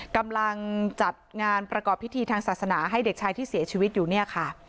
กำลังจัดงานประกอบพิธีทางศาสนาให้เด็กชายที่เสียชีวิตอยู่เนี่ยค่ะ